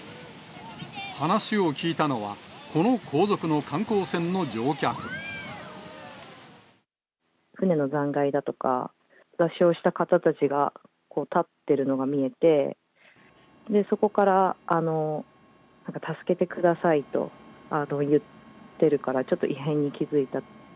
話を聞いたのは、この後続の観光船の残骸だとか、座礁した方たちが立ってるのが見えて、そこからなんか助けてくださいと言ってるから、ちょっと異変に気付いた。